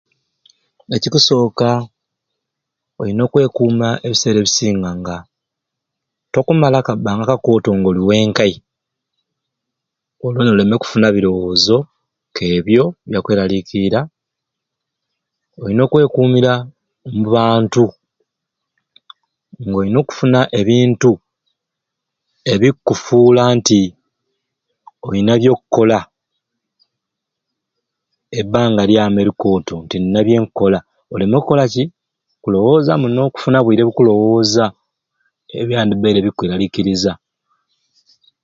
Ekikusooka olin'okwekuuma ebiseera ebisinga nga tokumala kabbanga kakooto nga oli wenkai oleme kufuna birowoozo k'ebyo ebyakwelaliikiira olina okwekuumira omubantu ng'olina okufuna ebintu ebikkufuula nti olina byokkola ebbanga lyamu elikooto nti nina byenkukola oleme okukola ki kulowooza muno kufuna bwire bukuliwooza ebyandibbaire bikkweralikiriza.